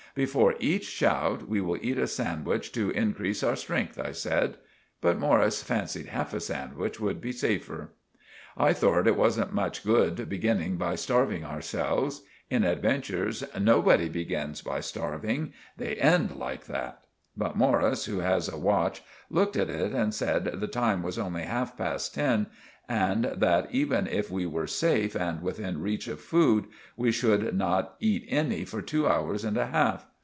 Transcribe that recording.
"Before each shout we will eat a sandwich to increese our strength," I said. But Morris fancied half a sandwich would be safer. I thort it wasn't much good beginning by starving ourselves. In adventures nobody begins by starving—they end like that; but Morris, who has a watch, looked at it and said the time was only half past ten and that, even if we were safe and within reach of food, we should not eat any for two hours and a half.